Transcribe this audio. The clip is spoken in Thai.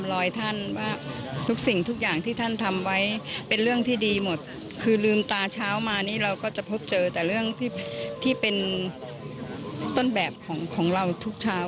ท่านว่าทุกสิ่งทุกอย่างที่ท่านทำไว้เป็นเรื่องที่ดีหมดคือลืมตาเช้ามานี่เราก็จะพบเจอแต่เรื่องที่เป็นต้นแบบของเราทุกเช้า